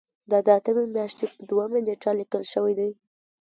دا د اتمې میاشتې په دویمه نیټه لیکل شوی دی.